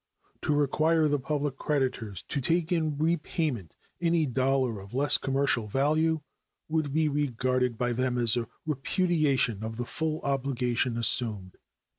To require the public creditors to take in repayment any dollar of less commercial value would be regarded by them as a repudiation of the full obligation assumed.